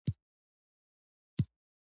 مهاراجا به هم له سوداګرو سره ښه رفتار کوي.